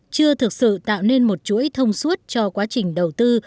chưa thực sự tạo nên một chuỗi thông suốt cho quá trình đầu tư